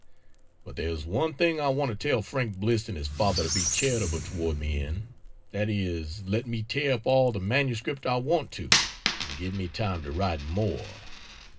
But there's one thing; I want to tell Frank Bliss and his father to be charitable toward me in, that is, let me tear up all the MS I want to, and give me time to write more.